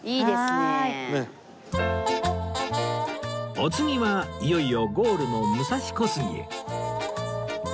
お次はいよいよゴールの武蔵小杉へ